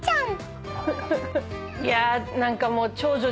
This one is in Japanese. いや何かもう。